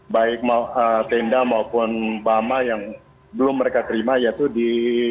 baik tenda maupun bama yang belum mereka terima yaitu di